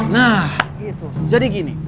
nah jadi gini